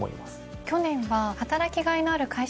去年は「働きがいのある会社」